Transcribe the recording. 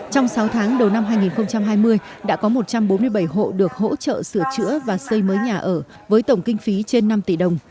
trong sáu tháng đầu năm hai nghìn hai mươi đã có một trăm bốn mươi bảy hộ được hỗ trợ sửa chữa và xây mới nhà ở với tổng kinh phí trên năm tỷ đồng